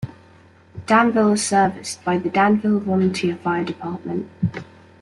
Danville is serviced by the Danville Volunteer Fire Department.